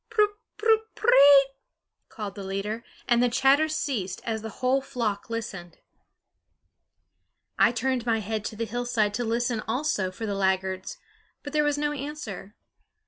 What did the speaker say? Prut, prut, pr r r reee! called the leader, and the chatter ceased as the whole flock listened. I turned my head to the hillside to listen also for the laggards; but there was no answer.